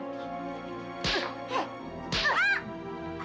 dengar itu ranti